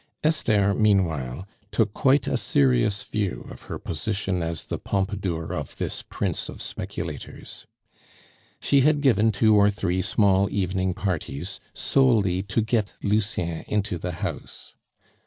Esther, meanwhile, took quite a serious view of her position as the Pompadour of this prince of speculators. She had given two or three small evening parties, solely to get Lucien into the house.